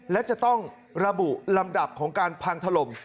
และจะต้องระบุลำดับของการพังถล่ม